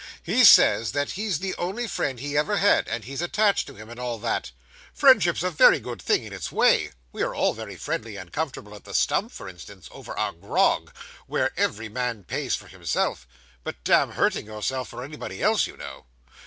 'He says that he's the only friend he ever had, and he's attached to him, and all that. Friendship's a very good thing in its way we are all very friendly and comfortable at the Stump, for instance, over our grog, where every man pays for himself; but damn hurting yourself for anybody else, you know!